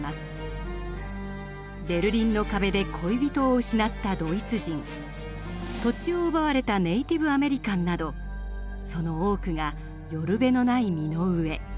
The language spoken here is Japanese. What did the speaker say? ベルリンの壁で恋人を失ったドイツ人土地を奪われたネイティブアメリカンなどその多くが寄る辺のない身の上。